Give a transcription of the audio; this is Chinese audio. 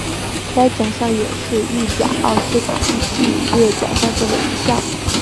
该奖项也是意甲奥斯卡系列奖项中的一项。